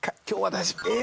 今日は大丈夫。